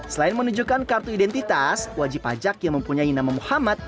selain menunjukkan kartu identitas wajib pajak yang mempunyai nama muhammad